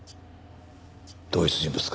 同一人物か？